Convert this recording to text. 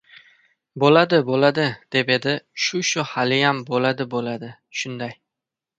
— Bo‘ladi-bo‘ladi, deb edi. Shu-shu, haliyam bo‘ladi-da. Shunday!